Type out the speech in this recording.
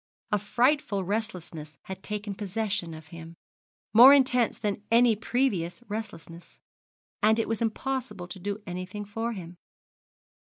A frightful restlessness had taken possession of him, more intense than any previous restlessness, and it was impossible to do anything for him.